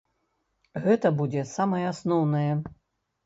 Гэта будзе самае асноўнае.